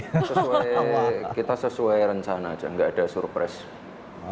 ya sesuai kita sesuai rencana aja nggak ada surprise